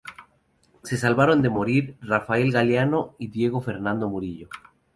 Se salvaron de morir Rafael Galeano y Diego Fernando Murillo.